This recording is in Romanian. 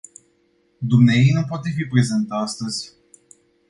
Dumneaei nu poate fi prezentă astăzi.